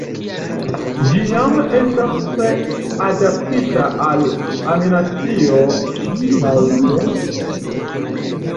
Ĝi jam estas adaptita al animacio kaj teatro.